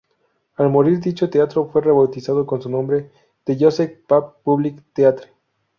Al morir, dicho teatro fue rebautizado con su nombre, The Joseph Papp Public Theatre.